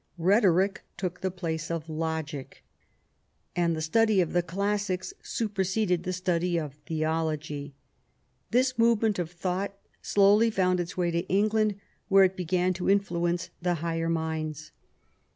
Rhetoric took the place of logic, and the study of the classics super seded the study of theology. This movement of thought slowly found its way to England, where it began to in fluence the higher minds.